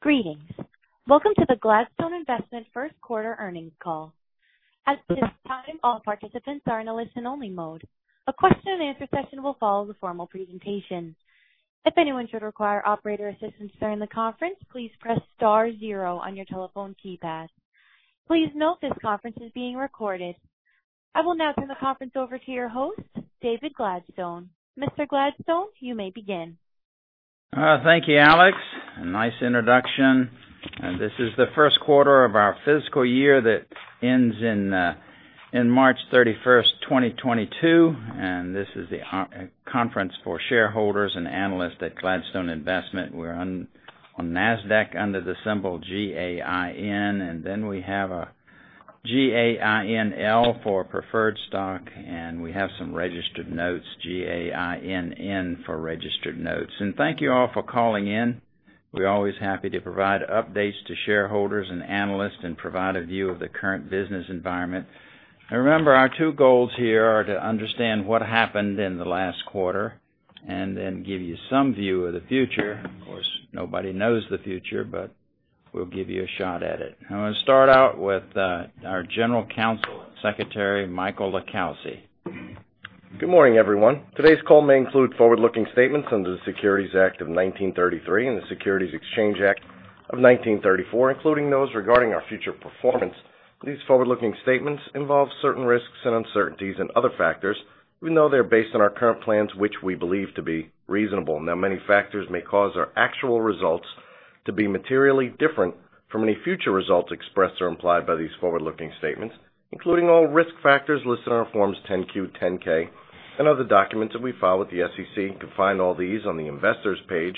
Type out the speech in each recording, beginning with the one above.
Greetings. Welcome to the Gladstone Investment first quarter earnings call. At this time, all participants are in a listen-only mode. A question-and-answer session will follow the formal presentation. If anyone should require operator assistance during the conference, please press star zero on your telephone keypad. Please note this conference is being recorded. I will now turn the conference over to your host, David Gladstone. Mr. Gladstone, you may begin. Thank you, Alex. A nice introduction. This is the first quarter of our fiscal year that ends in March 31st, 2022. This is the conference for shareholders and analysts at Gladstone Investment. We're on NASDAQ under the symbol GAIN. Then we have a GAINL for preferred stock. We have some registered notes, GAINN for registered notes. Thank you all for calling in. We're always happy to provide updates to shareholders and analysts and provide a view of the current business environment. Remember, our two goals here are to understand what happened in the last quarter, then give you some view of the future. Of course, nobody knows the future. We'll give you a shot at it. I'm going to start out with our General Counsel and Secretary, Michael LiCalsi. Good morning, everyone. Today's call may include forward-looking statements under the Securities Act of 1933 and the Securities Exchange Act of 1934, including those regarding our future performance. These forward-looking statements involve certain risks and uncertainties and other factors, even though they are based on our current plans, which we believe to be reasonable. Now, many factors may cause our actual results to be materially different from any future results expressed or implied by these forward-looking statements, including all risk factors listed on Forms 10-Q, 10-K, and other documents that we file with the SEC. You can find all these on the investors page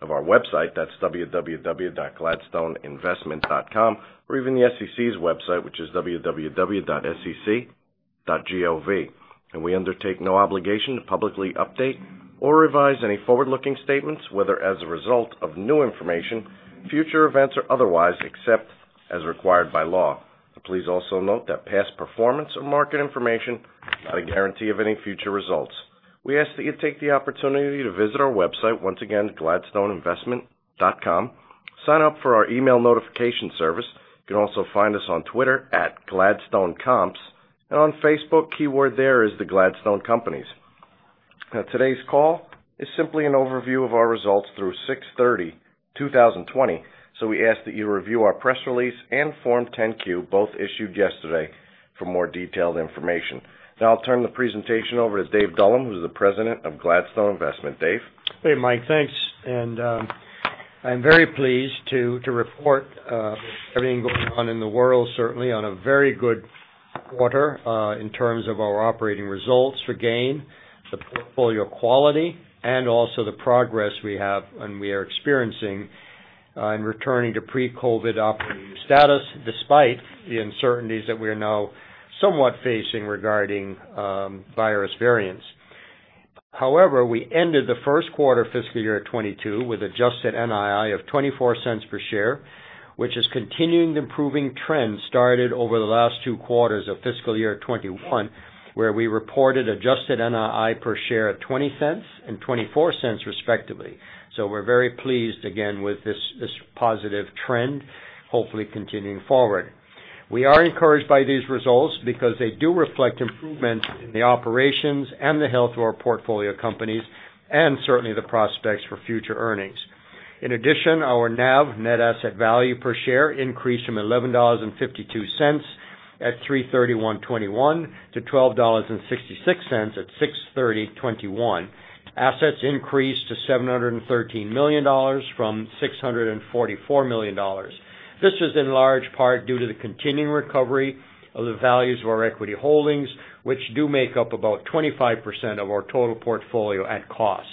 of our website. That's www.gladstoneinvestment.com, or even the SEC's website, which is www.sec.gov. We undertake no obligation to publicly update or revise any forward-looking statements, whether as a result of new information, future events, or otherwise, except as required by law. Please also note that past performance or market information is not a guarantee of any future results. We ask that you take the opportunity to visit our website, once again, gladstoneinvestment.com. Sign up for our email notification service. You can also find us on Twitter, @GladstoneComps, and on Facebook. Keyword there is The Gladstone Companies. Today's call is simply an overview of our results through 06/30/2020, so we ask that you review our press release and Form 10-Q, both issued yesterday, for more detailed information. I'll turn the presentation over to Dave Dullum, who's the president of Gladstone Investment. Dave? Hey, Mike. Thanks. I'm very pleased to report, with everything going on in the world certainly, on a very good quarter in terms of our operating results for GAIN, the portfolio quality, and also the progress we have and we are experiencing in returning to pre-COVID operating status, despite the uncertainties that we are now somewhat facing regarding virus variants. However, we ended the first quarter fiscal year 2022 with adjusted NII of $0.24 per share, which is continuing the improving trend started over the last two quarters of fiscal year 2021, where we reported adjusted NII per share at $0.20 and $0.24 respectively. We're very pleased again with this positive trend hopefully continuing forward. We are encouraged by these results because they do reflect improvement in the operations and the health of our portfolio companies, and certainly the prospects for future earnings. In addition, our NAV, net asset value per share, increased from $11.52 at March 31, 2021 to $12.66 at June 30, 2021. Assets increased to $713 million from $644 million. This is in large part due to the continuing recovery of the values of our equity holdings, which do make up about 25% of our total portfolio at cost.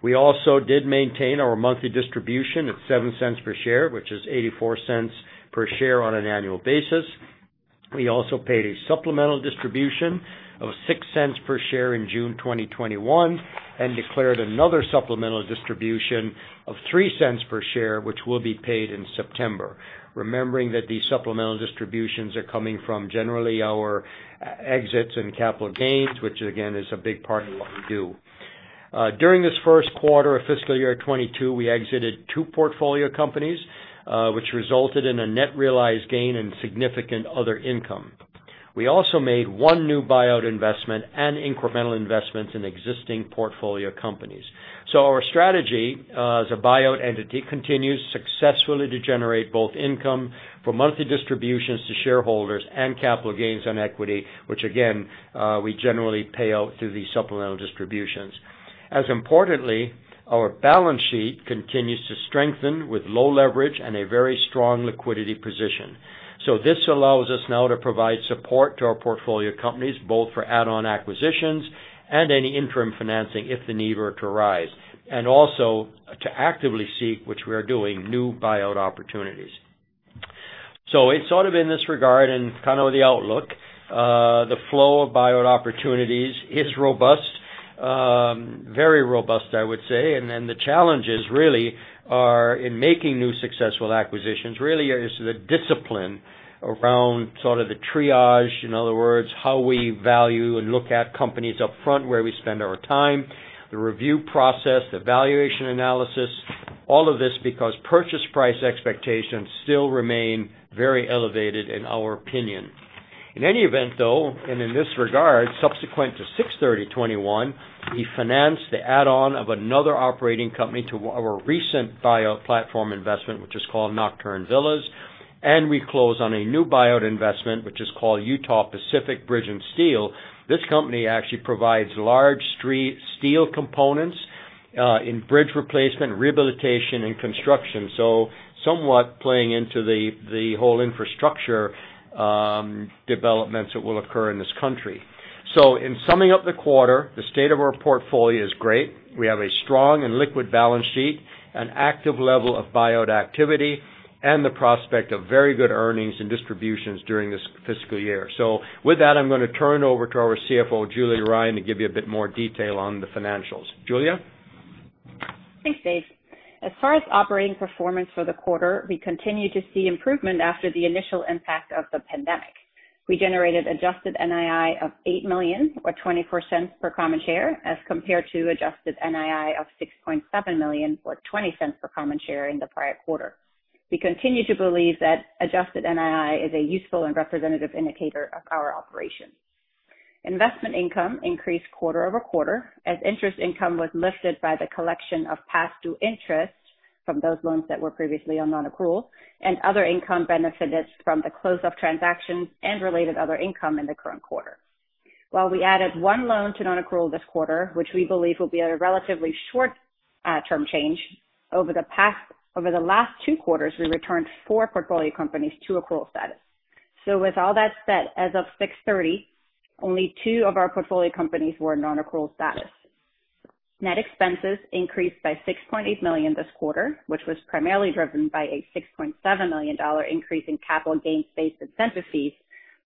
We also did maintain our monthly distribution at $0.07 per share, which is $0.84 per share on an annual basis. We also paid a supplemental distribution of $0.06 per share in June 2021 and declared another supplemental distribution of $0.03 per share, which will be paid in September. Remembering that these supplemental distributions are coming from generally our exits and capital gains, which again is a big part of what we do. During this first quarter of fiscal year 2022, we exited two portfolio companies, which resulted in a net realized gain and significant other income. We also made one new buyout investment and incremental investments in existing portfolio companies. Our strategy as a buyout entity continues successfully to generate both income from monthly distributions to shareholders and capital gains on equity, which again, we generally pay out through these supplemental distributions. As importantly, our balance sheet continues to strengthen with low leverage and a very strong liquidity position. This allows us now to provide support to our portfolio companies, both for add-on acquisitions and any interim financing if the need were to arise. Also to actively seek, which we are doing, new buyout opportunities. It's sort of in this regard and kind of the outlook. The flow of buyout opportunities is robust. Very robust, I would say. The challenges really are in making new successful acquisitions really is the discipline around sort of the triage, in other words, how we value and look at companies up front, where we spend our time, the review process, the valuation analysis, all of this because purchase price expectations still remain very elevated in our opinion. In any event, though, and in this regard, subsequent to June 30, 2021, we financed the add-on of another operating company to our recent buyout platform investment, which is called Nocturne Luxury Villas, and we closed on a new buyout investment, which is called Utah Pacific Bridge & Steel. This company actually provides large steel components in bridge replacement, rehabilitation, and construction. Somewhat playing into the whole infrastructure developments that will occur in this country. In summing up the quarter, the state of our portfolio is great. We have a strong and liquid balance sheet, an active level of buyout activity, and the prospect of very good earnings and distributions during this fiscal year. With that, I'm going to turn it over to our CFO, Julia Ryan, to give you a bit more detail on the financials. Julia? Thanks, Dave. As far as operating performance for the quarter, we continue to see improvement after the initial impact of the pandemic. We generated adjusted NII of $8 million or $0.24 per common share as compared to adjusted NII of $6.7 million or $0.20 per common share in the prior quarter. We continue to believe that adjusted NII is a useful and representative indicator of our operations. Investment income increased quarter-over-quarter as interest income was lifted by the collection of past due interest from those loans that were previously on non-accrual and other income benefited from the close of transactions and related other income in the current quarter. While we added 1 loan to non-accrual this quarter, which we believe will be a relatively short-term change, over the last two quarters, we returned four portfolio companies to accrual status. With all that said, as of 6/30, only 2 of our portfolio companies were in non-accrual status. Net expenses increased by $6.8 million this quarter, which was primarily driven by a $6.7 million increase in capital gains-based incentive fees,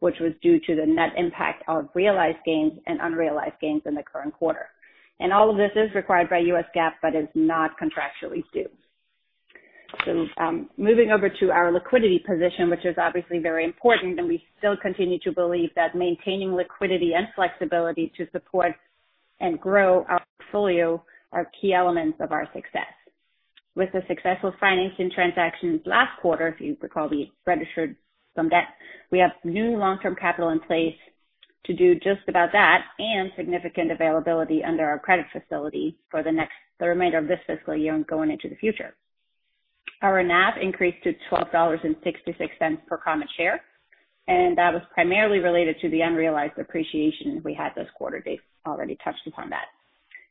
which was due to the net impact of realized gains and unrealized gains in the current quarter. All of this is required by U.S. GAAP but is not contractually due. Moving over to our liquidity position, which is obviously very important, and we still continue to believe that maintaining liquidity and flexibility to support and grow our portfolio are key elements of our success. With the successful financing transactions last quarter, if you recall, we registered some debt. We have new long-term capital in place to do just about that and significant availability under our credit facility for the remainder of this fiscal year and going into the future. Our NAV increased to $12.66 per common share, that was primarily related to the unrealized appreciation we had this quarter. Dave already touched upon that.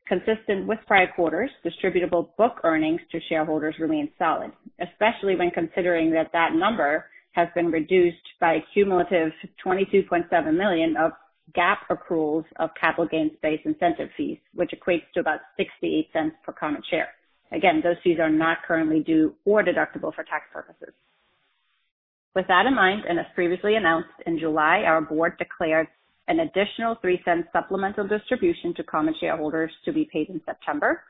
Consistent with prior quarters, distributable book earnings to shareholders remained solid, especially when considering that that number has been reduced by a cumulative $22.7 million of GAAP accruals of capital gains-based incentive fees, which equates to about $0.68 per common share. Those fees are not currently due or deductible for tax purposes. With that in mind, as previously announced in July, our board declared an additional $0.03 supplemental distribution to common shareholders to be paid in September.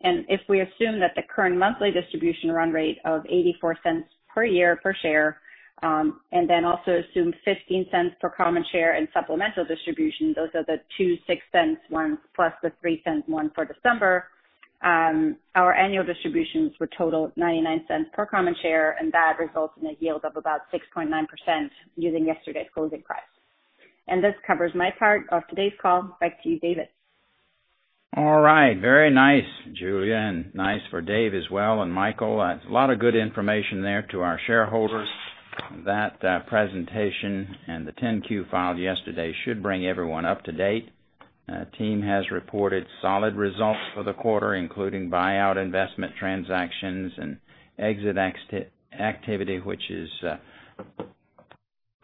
If we assume that the current monthly distribution run rate of $0.84 per year per share, and then also assume $0.15 per common share in supplemental distribution, those are the two $0.06 ones plus the three $0.03 one for December. Our annual distributions would total $0.99 per common share, and that results in a yield of about 6.9% using yesterday's closing price. This covers my part of today's call. Back to you, David. All right. Very nice, Julia, and nice for Dave as well, and Michael. A lot of good information there to our shareholders. That presentation and the 10-Q filed yesterday should bring everyone up to date. Team has reported solid results for the quarter, including buyout investment transactions and exit activity, which is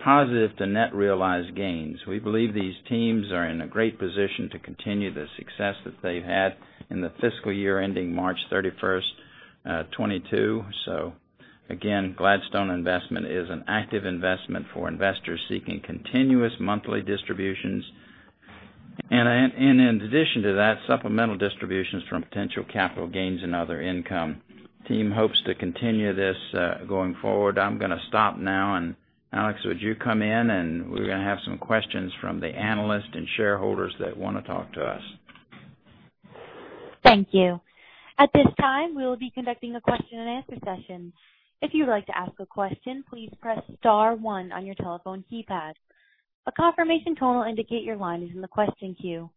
positive to net realized gains. We believe these teams are in a great position to continue the success that they've had in the fiscal year ending March 31st, 2022. Again, Gladstone Investment is an active investment for investors seeking continuous monthly distributions. In addition to that, supplemental distributions from potential capital gains and other income. Team hopes to continue this going forward. I'm going to stop now and Alex, would you come in, and we're going to have some questions from the analysts and shareholders that want to talk to us. Thank you. At this time, we will be conducting a question and answer session. If you would like to ask a question, please press star one on your telephone keypad. A confirmation tone will indicate your line is in the question queue.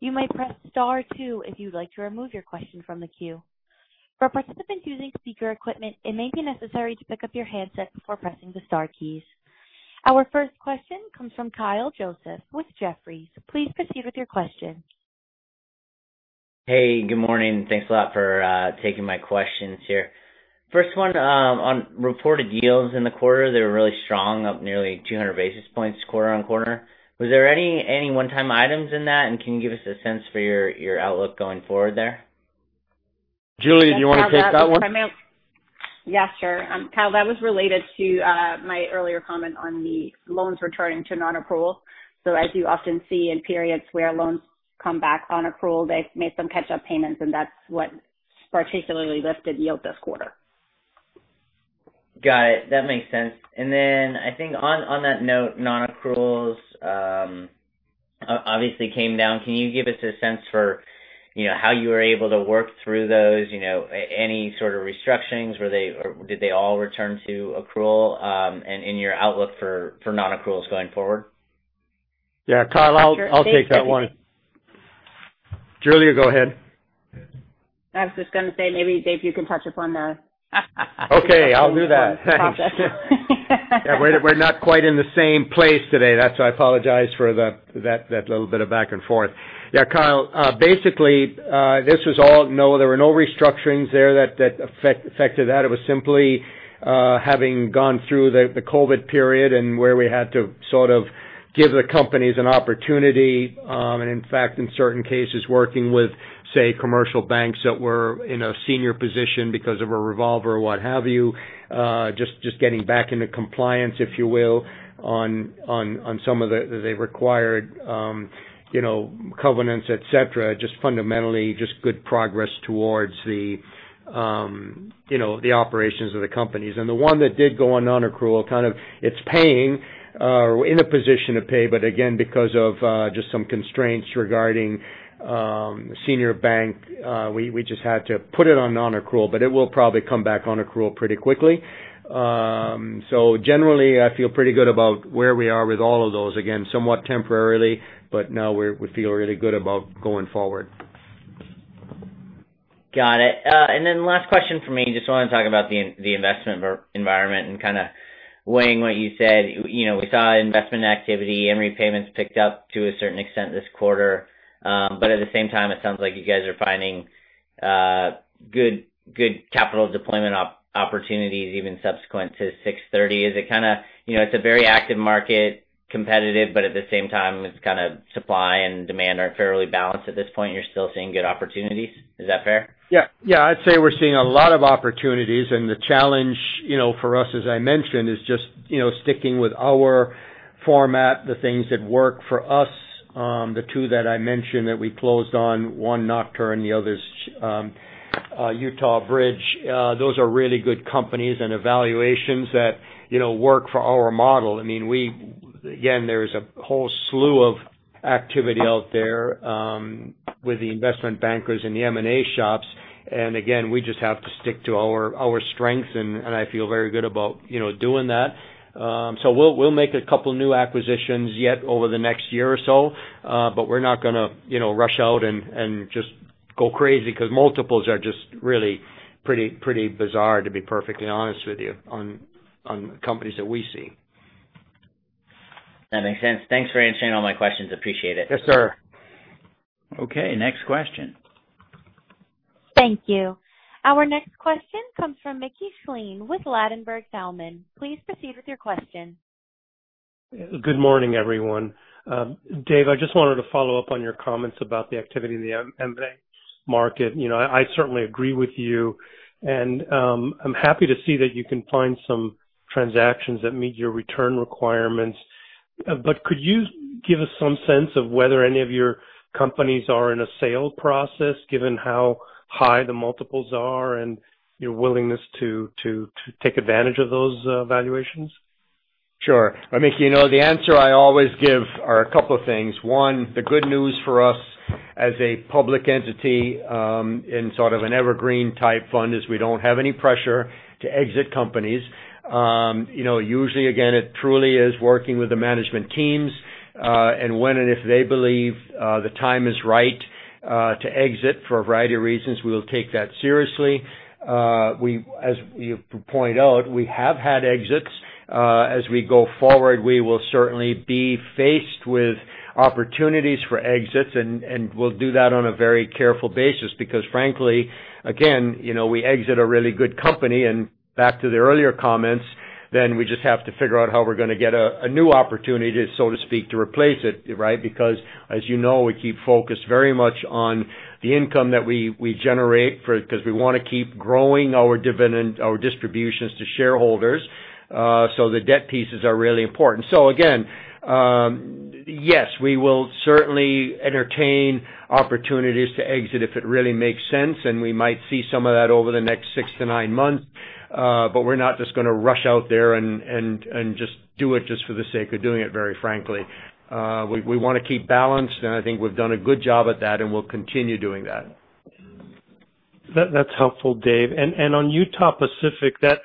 You may press star two if you'd like to remove your question from the queue. For participants using speaker equipment, it may be necessary to pick up your handset before pressing the star keys. Our first question comes from Kyle Joseph with Jefferies. Please proceed with your question. Hey, good morning. Thanks a lot for taking my questions here. First one, on reported yields in the quarter, they were really strong, up nearly 200 basis points quarter-on-quarter. Was there any one-time items in that, and can you give us a sense for your outlook going forward there? Julia, do you want to take that one? Yeah, sure. Kyle, that was related to my earlier comment on the loans returning to non-accrual. As you often see in periods where loans come back non-accrual, they make some catch-up payments. Particularly lifted yield this quarter. Got it. That makes sense. I think on that note, non-accruals obviously came down. Can you give us a sense for how you were able to work through those? Any sort of restructurings? Did they all return to accrual? In your outlook for non-accruals going forward? Yeah. Kyle, I'll take that one. Julia, go ahead. I was just going to say, maybe, Dave, you can touch upon the. Okay. I'll do that. Thanks. Process. We're not quite in the same place today. That's why I apologize for that little bit of back and forth. Kyle. Basically, there were no restructurings there that affected that. It was simply having gone through the COVID period and where we had to sort of give the companies an opportunity. In fact, in certain cases, working with, say, commercial banks that were in a senior position because of a revolver or what have you. Just getting back into compliance, if you will, on some of the required covenants, et cetera. Just fundamentally, just good progress towards the operations of the companies. The one that did go on non-accrual, kind of, it's paying, in a position to pay, but again, because of just some constraints regarding senior bank. We just had to put it on non-accrual. It will probably come back on accrual pretty quickly. Generally, I feel pretty good about where we are with all of those. Again, somewhat temporarily, no, we feel really good about going forward. Got it. Then last question from me. Just want to talk about the investment environment and kind of weighing what you said. We saw investment activity and repayments picked up to a certain extent this quarter. At the same time, it sounds like you guys are finding good capital deployment opportunities even subsequent to June 30. It's a very active market, competitive, but at the same time, it's kind of supply and demand are fairly balanced at this point. You're still seeing good opportunities. Is that fair? Yeah. I'd say we're seeing a lot of opportunities, the challenge for us, as I mentioned, is just sticking with our format, the things that work for us. The two that I mentioned that we closed on, one Nocturne, the other's Utah Bridge. Those are really good companies and evaluations that work for our model. Again, there is a whole slew of activity out there with the investment bankers and the M&A shops. Again, we just have to stick to our strengths, and I feel very good about doing that. We'll make a couple new acquisitions yet over the next year or so. We're not going to rush out and just go crazy because multiples are just really pretty bizarre, to be perfectly honest with you, on companies that we see. That makes sense. Thanks for answering all my questions. Appreciate it. Yes, sir. Okay, next question. Thank you. Our next question comes from Mickey Schleien with Ladenburg Thalmann. Please proceed with your question. Good morning, everyone. Dave, I just wanted to follow up on your comments about the activity in the M&A market. I certainly agree with you, and I'm happy to see that you can find some transactions that meet your return requirements. Could you give us some sense of whether any of your companies are in a sale process, given how high the multiples are and your willingness to take advantage of those valuations? Sure. Mickey, the answer I always give are a couple of things. One, the good news for us as a public entity, in sort of an evergreen type fund, is we don't have any pressure to exit companies. Usually, again, it truly is working with the management teams. When and if they believe the time is right to exit for a variety of reasons, we will take that seriously. As you point out, we have had exits. As we go forward, we will certainly be faced with opportunities for exits, and we'll do that on a very careful basis. Frankly, again, we exit a really good company, and back to the earlier comments, then we just have to figure out how we're going to get a new opportunity, so to speak, to replace it, right? As you know, we keep focused very much on the income that we generate because we want to keep growing our dividend, our distributions to shareholders. The debt pieces are really important. Again, yes, we will certainly entertain opportunities to exit if it really makes sense, and we might see some of that over the next six to nine months. We're not just going to rush out there and just do it just for the sake of doing it, very frankly. We want to keep balanced, and I think we've done a good job at that, and we'll continue doing that. That's helpful, Dave. On Utah Pacific, that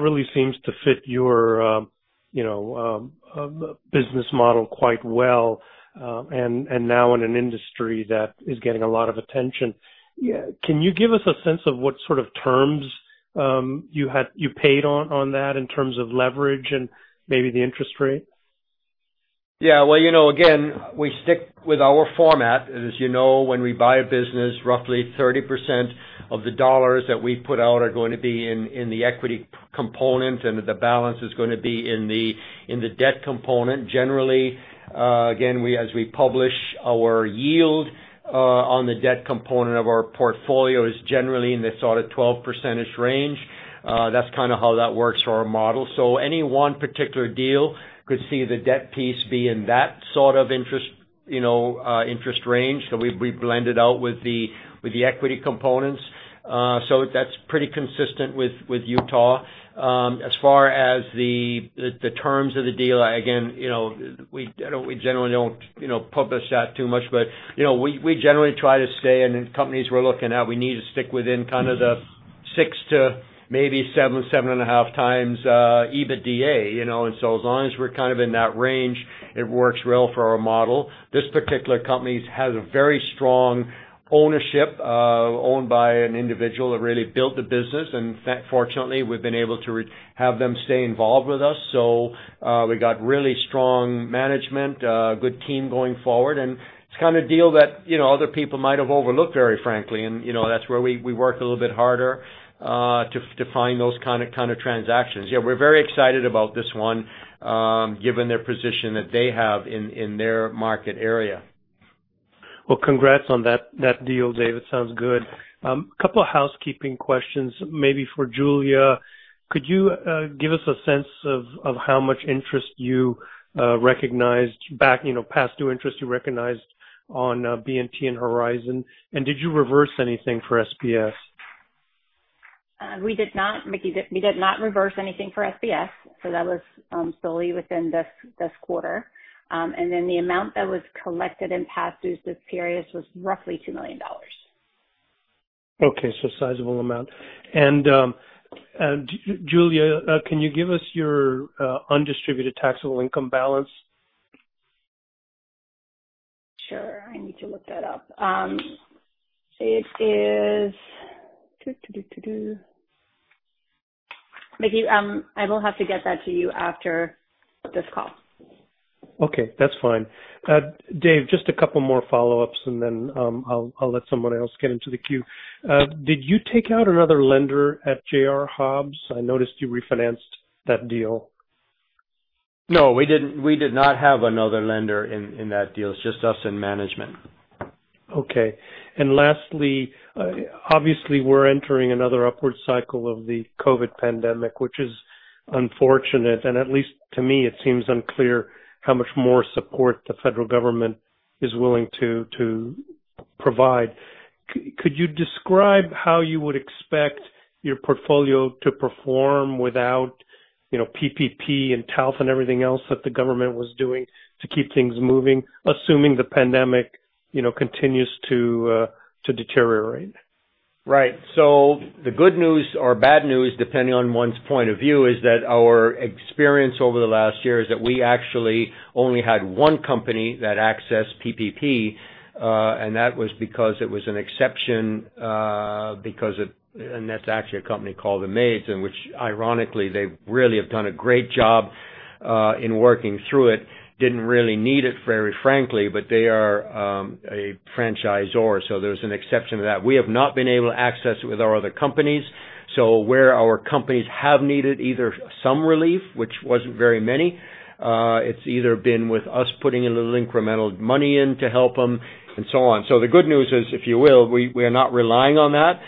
really seems to fit your business model quite well. Now in an industry that is getting a lot of attention. Can you give us a sense of what sort of terms you paid on that in terms of leverage and maybe the interest rate? Yeah. Well, again, we stick with our format. As you know, when we buy a business, roughly 30% of the dollars that we put out are going to be in the equity component, and the balance is going to be in the debt component. Generally, again, as we publish our yield on the debt component of our portfolio, is generally in the sort of 12% range. That's kind of how that works for our model. Any one particular deal could see the debt piece be in that sort of interest range. We blend it out with the equity components. That's pretty consistent with Utah. As far as the terms of the deal, again, we generally don't publish that too much, but we generally try to stay, and then companies we're looking at, we need to stick within kind of the six to maybe 7.5 times EBITDA. As long as we're kind of in that range, it works well for our model. This particular company has a very strong ownership, owned by an individual that really built the business, and fortunately, we've been able to have them stay involved with us. We got really strong management, a good team going forward, and it's the kind of deal that other people might have overlooked, very frankly. That's where we work a little bit harder, to find those kind of transactions. Yeah, we're very excited about this one, given their position that they have in their market area. Well, congrats on that deal, Dave. It sounds good. Couple of housekeeping questions, maybe for Julia. Could you give us a sense of how much past due interest you recognized on B+T and Horizon? Did you reverse anything for SBS? We did not, Mickey. We did not reverse anything for SBS, so that was solely within this quarter. The amount that was collected in past dues this period was roughly $2 million. Okay, a sizable amount. Julia, can you give us your undistributed taxable income balance? Sure. I need to look that up. It is Mickey, I will have to get that to you after this call. Okay, that's fine. Dave, just a couple more follow-ups, and then I'll let someone else get into the queue. Did you take out another lender at J.R. Hobbs? I noticed you refinanced that deal. No, we did not have another lender in that deal. It's just us and management. Okay. Lastly, obviously we're entering another upward cycle of the COVID pandemic, which is unfortunate, and at least to me, it seems unclear how much more support the federal government is willing to provide. Could you describe how you would expect your portfolio to perform without PPP, and TALF, and everything else that the government was doing to keep things moving, assuming the pandemic continues to deteriorate? Right. The good news or bad news, depending on one's point of view, is that our experience over the last year is that we actually only had one company that accessed PPP, and that was because it was an exception, and that's actually a company called The Maids, and which ironically, they really have done a great job in working through it. Didn't really need it very frankly, but they are a franchisor, so there's an exception to that. We have not been able to access it with our other companies. Where our companies have needed either some relief, which wasn't very many, it's either been with us putting a little incremental money in to help them and so on. The good news is, if you will, we are not relying on that.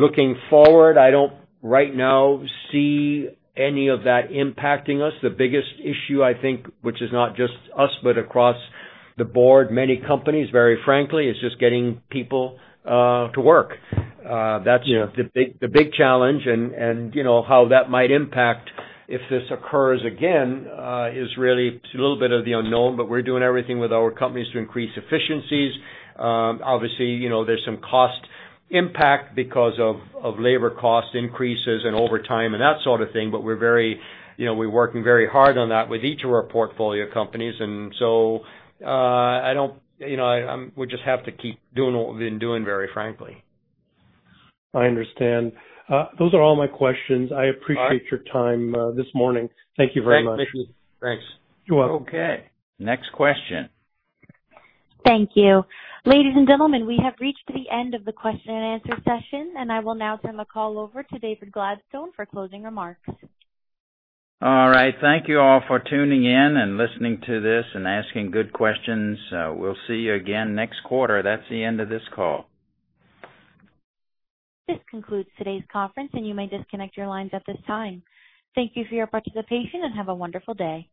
Looking forward, I don't right now see any of that impacting us. The biggest issue, I think, which is not just us but across the board, many companies, very frankly, is just getting people to work. That's the big challenge, and how that might impact if this occurs again, is really a little bit of the unknown, but we're doing everything with our companies to increase efficiencies. Obviously, there's some cost impact because of labor cost increases and overtime and that sort of thing, but we're working very hard on that with each of our portfolio companies. We'll just have to keep doing what we've been doing, very frankly. I understand. Those are all my questions. All right. I appreciate your time this morning. Thank you very much. Thanks, Mickey. Thanks. You're welcome. Okay. Next question. Thank you. Ladies and gentlemen, we have reached the end of the question and answer session, and I will now turn the call over to David Gladstone for closing remarks. All right. Thank you all for tuning in and listening to this and asking good questions. We'll see you again next quarter. That's the end of this call. This concludes today's conference, and you may disconnect your lines at this time. Thank you for your participation, and have a wonderful day.